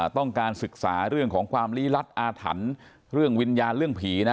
ต้องการศึกษาเรื่องของความลี้ลัดอาถรรพ์เรื่องวิญญาณเรื่องผีนะ